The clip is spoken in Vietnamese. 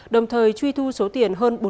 đồng thời truy thu số tiền hơn